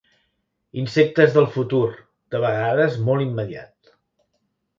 Insectes del futur, de vegades molt immediat.